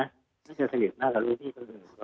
เขาคือสนิทมากกับรุ่นพี่คนอื่น